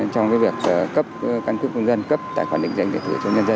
trong việc cấp cân cấp công dân cấp tài khoản định danh định tử cho nhân dân